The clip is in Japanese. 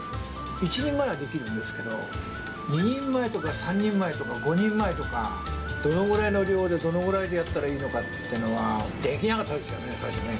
１人前はできるんですけど、２人前とか３人前とか５人前とか、どれくらいの量で、どのくらいでやったらいいのかってのは、できなかったですよね、最初ね。